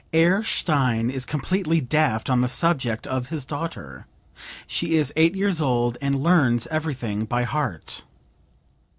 "Herr Stein is completely daft on the subject of his daughter. She is eight years old and learns everything by heart.